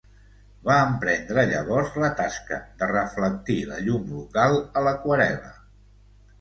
Va emprendre llavors la tasca de reflectir la llum local a l'aquarel·la.